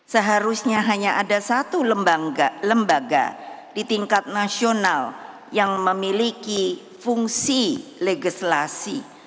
seharusnya hanya ada satu lembaga di tingkat nasional yang memiliki fungsi legislasi